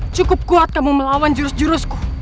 cukup kuat kamu melawan jurus jurusku